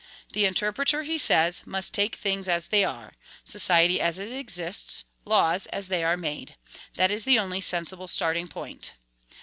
"The interpreter," he says, "must take things as they are, society as it exists, laws as they are made: that is the only sensible starting point."